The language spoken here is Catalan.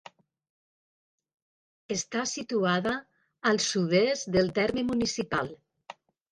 Està situada al sud-est del terme municipal.